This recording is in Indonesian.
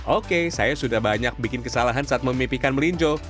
oke saya sudah banyak bikin kesalahan saat memipihkan melinjo